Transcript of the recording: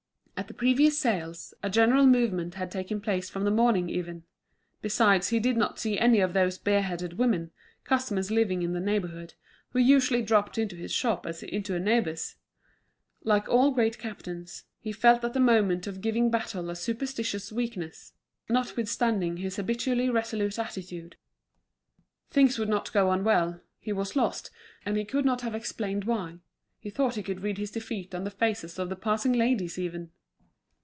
At the previous sales, a general movement had taken place from the morning even; besides he did not see any of those bareheaded women, customers living in the neighbourhood, who usually dropped into his shop as into a neighbour's. Like all great captains, he felt at the moment of giving battle a superstitious weakness, notwithstanding his habitually resolute attitude. Things would not go on well, he was lost, and he could not have explained why; he thought he could read his defeat on the faces of the passing ladies even.